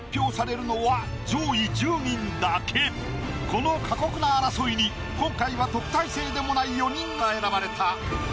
この過酷な争いに今回は特待生でもない４人が選ばれた。